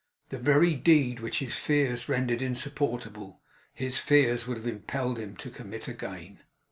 The very deed which his fears rendered insupportable, his fears would have impelled him to commit again.